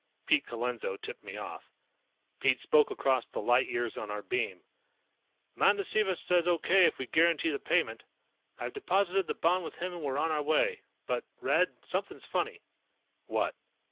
Pete Colenso tipped me off. Pete spoke across the light years on our beam. "Mandasiva says okay if we guarantee the payment. I've deposited the bond with him and we're on our way. But, Red, something's funny." "What?"